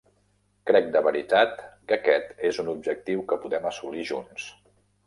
Crec de veritat que aquest és un objectiu que podem assolir junts.